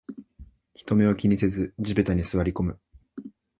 人目を気にせず地べたに座りこむ